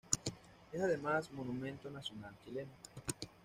Es además, monumento nacional chileno.